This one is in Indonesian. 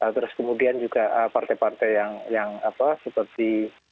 terus kemudian juga partai partai yang seperti